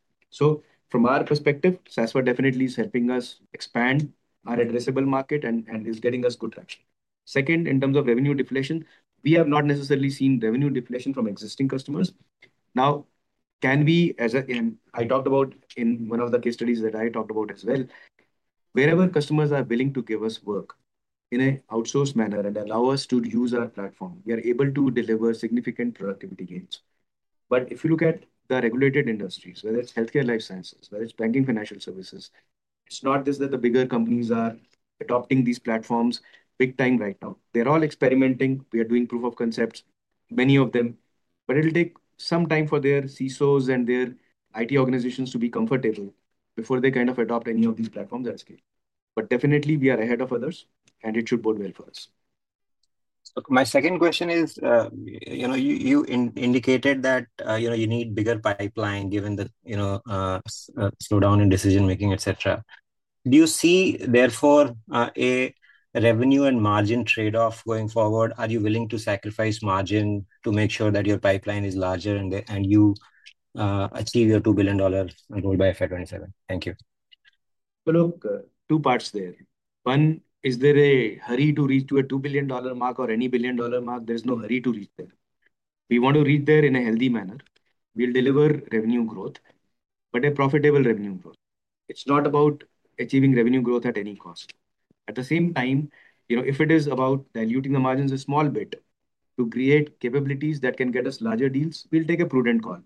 From our perspective, SASVA definitely is helping us expand our addressable market and is getting us good traction. Second, in terms of revenue deflation. We have not necessarily seen revenue deflation from existing customers. Now, as I talked about in one of the case studies that I talked about as well, wherever customers are willing to give us work in an outsourced manner and allow us to use our platform, we are able to deliver significant productivity gains. If you look at the regulated industries, whether it's healthcare, life sciences, or banking, financial services, it's not just that the bigger companies are adopting these platforms big time right now. They're all experimenting. We are doing proof of concepts, many of them. It will take some time for their CISOs and their IT organizations to be comfortable before they kind of adopt any of these platforms at scale. We are ahead of others and it should bode well for us. My second question is, you indicated that you need a bigger pipeline given the slowdown in decision making, etc. Do you see therefore a revenue and margin trade-off going forward? Are you willing to sacrifice margin to make sure that your pipeline is larger and you achieve your $2 billion rule by FY27? Thank you. Look, two parts there. One, is there a hurry to reach a $2 billion mark or any billion dollar mark? There's no hurry to reach there. We want to reach there in a healthy manner. We'll deliver revenue growth, but a profitable revenue growth. It's not about achieving revenue growth at any cost. At the same time, if it is about diluting the margins a small bit to create capabilities that can get us larger deals, we'll take a prudent call.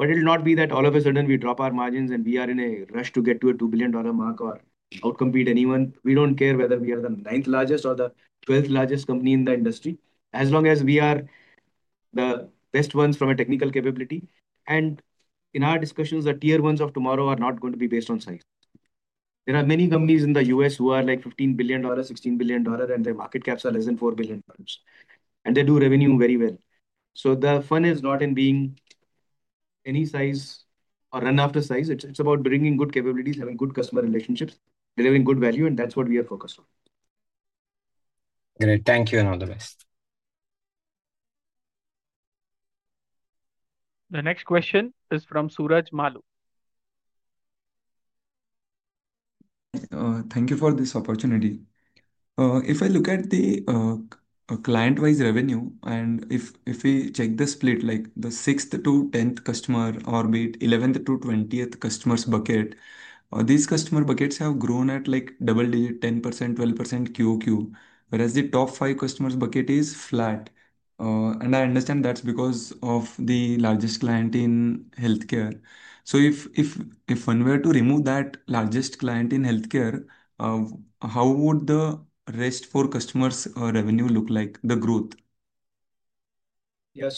It will not be that all of a sudden we drop our margins and we are in a rush to get to a $2 billion mark or outcompete anyone. We don't care whether we are the 9th largest or the 12th largest company in the industry as long as we are the best ones from a technical capability. In our discussions, the tier ones of tomorrow are not going to be based on size. There are many companies in the U.S. who are like $15 billion, $16 billion and their market caps are less than $4 billion and they do revenue very well. The fun is not in being any size or run after size. It's about bringing good capabilities, having good customer relationships, delivering good value. That's what we are focused on. Great. Thank you and all the best. The next question is from Suraj Malu. Thank you for this opportunity. If I look at the client wise revenue and if we check the split like the 6th to 10th customer, or be it 11th to 20th customers bucket, these customer buckets have grown at double digit 10%, quarter-on-quarter. Whereas the top five customers bucket is flat. I understand that's because of the largest client in healthcare. If one were to remove that largest client in healthcare, how would the rest four customers' revenue look like? The growth? Yeah,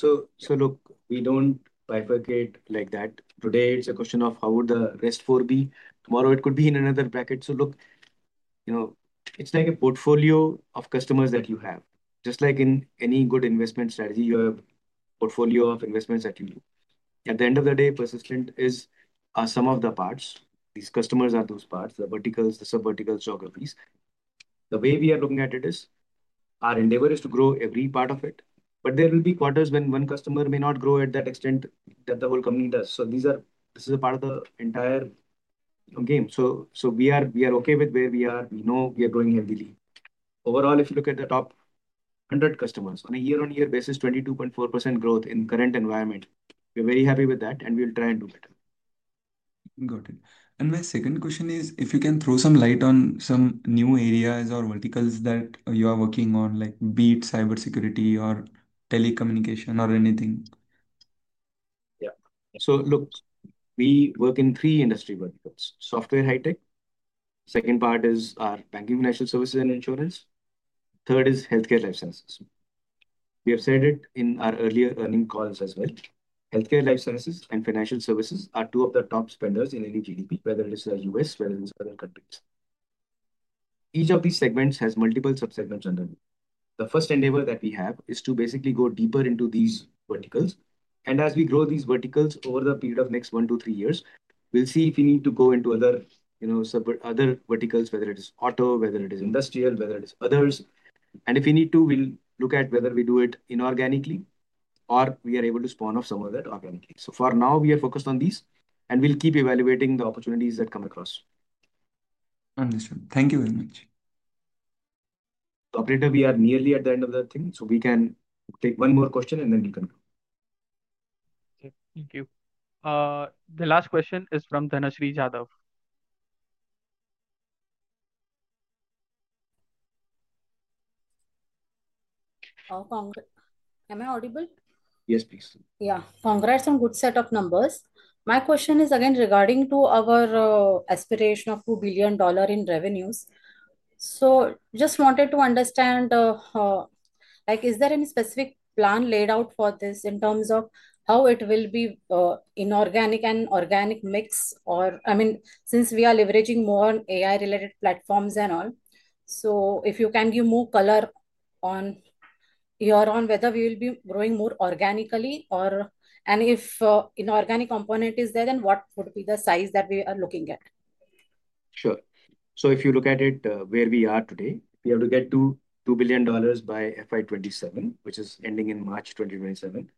look, we don't bifurcate like that today. It's a question of how would the rest four be tomorrow. It could be in another bracket. It's like a portfolio of customers that you have. Just like in any good investment strategy you have a portfolio of investments that you do at the end of the day, Persistent Systems is some of the parts. These customers are those parts. The verticals, the sub vertical geographies. The way we are looking at it is our endeavor is to grow every part of it. There will be quarters when one customer may not grow at that extent that the whole company does. This is a part of the entire game. We are okay with where we are. We know we are growing heavily overall. If you look at the top 100 customers on a year-on-year basis, 22.4% growth in current environment, we're very happy with that and we'll try and do better. Got it. My second question is if you can throw some light on some new areas or verticals that you are working on, like be it cyber security or telecommunication or anything. Yeah. We work in three industry verticals. Software, high tech. Second part is our banking, financial services and insurance. Third is healthcare life sciences. We have said it in our earlier earnings calls as well. Healthcare life sciences and financial services are two of the top spenders in any GDP, whether it is the U.S. or whether in certain countries. Each of these segments has multiple sub segments underneath. The first endeavor that we have is to basically go deeper into these verticals. As we grow these verticals over the period of next one to three years, we'll see if we need to go into other verticals, whether it is auto, whether it is industrial, or whether it is others. If we need to, we'll look at whether we do it inorganically or we are able to spawn off some of that organically. For now we are focused on these and we'll keep evaluating the opportunities that come across. Understood, thank you very much, Operator. We are nearly at the end of the thing, so we can take one more question and then we can. Thank you. The last question is from Dhanashree Jadhav. Am I audible? Yes, please. Yeah. Congrats on good set of numbers. My question is again regarding our aspiration of $2 billion in revenues. Just wanted to understand if there is any specific plan laid out for this in terms of how it will be inorganic and organic mix, or since we are leveraging more on AI related platforms and all, if you can give more color on your own, whether we will be growing more organically or, and if inorganic component is there, then what would be the size that we are looking at? Sure. If you look at it where we are today, we have to get to $2 billion by FY27, which is ending in March 2027.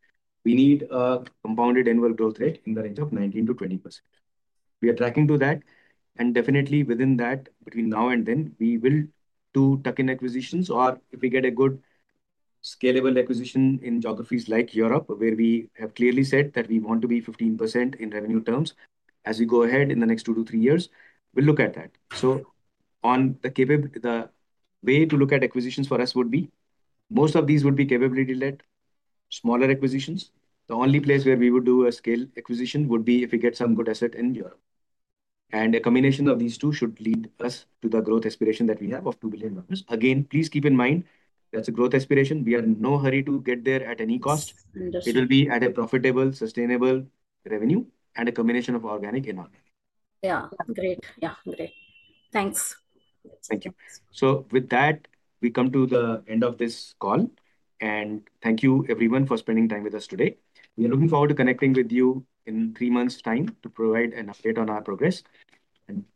We need a compounded annual growth rate in the range of 19 to 20%. We are tracking to that and definitely within that. Between now and then we will do tuck-in acquisitions or if we get a good scalable acquisition in geographies like Europe, where we have clearly said that we want to be 15% in revenue terms as we go ahead in the next two to three years, we'll look at that. On the capability, the way to look at acquisitions for us would be most of these would be capability-led smaller acquisitions. The only place where we would do a scale acquisition would be if we get some good asset in Europe. A combination of these two should lead us to the growth aspiration that we have of $2 billion. Again, please keep in mind that's a growth aspiration. We are in no hurry to get there at any cost. It will be at a profitable, sustainable revenue and a combination of organic in order. Great. Thank you. With that, we come to the end of this call and thank you everyone for spending time with us today. We are looking forward to connecting with you in three months' time to provide an update on our progress.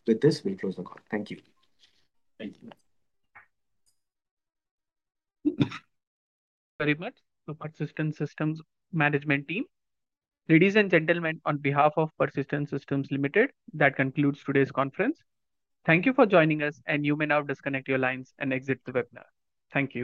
With this, we'll close the call. Thank you. Thank you very much. Persistent Systems Management team. Ladies and gentlemen, on behalf of Persistent Systems Limited, that concludes today's conference. Thank you for joining us and you may now disconnect your lines and exit the webinar. Thank you.